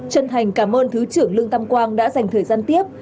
chân thành cảm ơn thứ trưởng lương tam quang đã dành thời gian tiếp